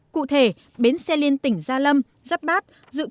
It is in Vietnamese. cụ thể bến xe liên tỉnh gia lâm giáp bát dự kiến sau năm hai nghìn hai mươi